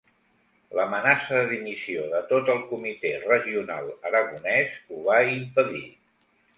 L'amenaça de dimissió de tot el comitè regional aragonès ho va impedir.